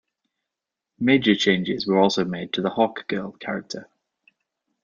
Major changes were also made to the Hawkgirl character.